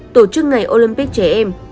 tổ chức ngày olympic trẻ em